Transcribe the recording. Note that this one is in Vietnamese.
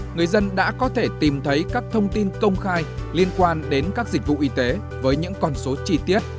người dân đã có thể tìm thấy các thông tin công khai liên quan đến các dịch vụ y tế với những con số chi tiết